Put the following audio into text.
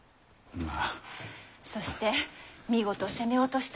まあ。